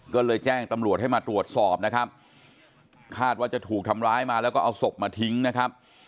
ก็เลยแจ้งตำรวจให้มาตรวจสอบนะครับคาดว่าจะถูกทำร้ายมาแล้วก็เอาศพมาทิ้งนะครับ